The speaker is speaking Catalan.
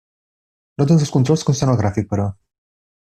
No tots els controls consten al gràfic, però.